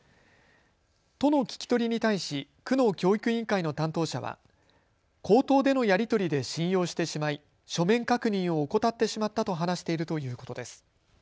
都の聞き取りに対し区の教育委員会の担当者は口頭でのやり取りで信用してしまい書面確認を怠ってしまったと話しているということです。